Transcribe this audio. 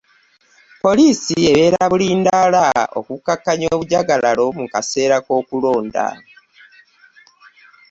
Poliisi ebeera bulindaali okukakanya obujjagalalo mu kaseera k'okulonda.